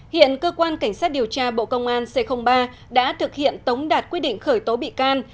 hiện cơ quan cảnh sát điều tra bộ công an c ba đã thực hiện tống đạt quyết định khởi tố bị can